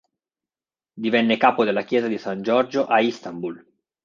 Divenne capo della Chiesa di San Giorgio a Istanbul.